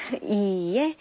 いいえ。